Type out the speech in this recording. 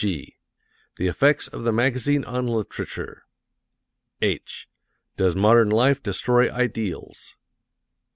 (g) "The Effects of the Magazine on Literature;" (h) "Does Modern Life Destroy Ideals?"